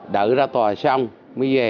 đợi ra tòa xong mới về